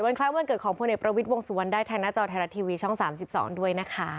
คล้ายวันเกิดของพลเอกประวิทย์วงสุวรรณได้ทางหน้าจอไทยรัฐทีวีช่อง๓๒ด้วยนะคะ